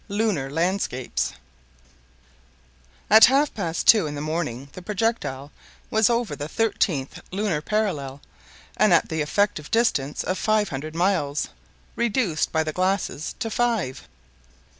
LUNAR LANDSCAPES At half past two in the morning, the projectile was over the thirteenth lunar parallel and at the effective distance of five hundred miles, reduced by the glasses to five.